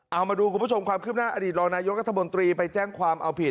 เอามาดูคุณผู้ชมความคืบหน้าอดีตรองนายกัธมนตรีไปแจ้งความเอาผิด